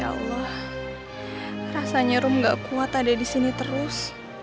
ya allah rasanya rum gak kuat ada disini terus